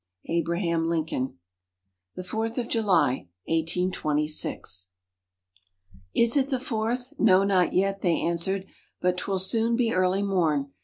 _ ABRAHAM LINCOLN THE FOURTH OF JULY 1826 _"Is it the Fourth?" "No, not yet," they answered, "but 't will soon be early morn.